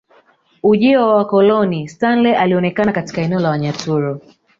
Ujio wa wakoloni Stanley alionekana katika eneo la Wanyaturu